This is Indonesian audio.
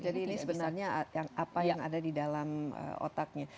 jadi ini sebenarnya apa yang ada di dalam otaknya